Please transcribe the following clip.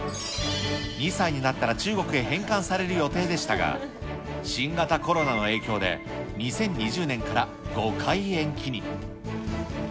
２歳になったら中国へ返還される予定でしたが、新型コロナの影響で、２０２０年から５回延期に。